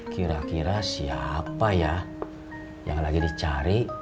kira kira siapa ya yang lagi dicari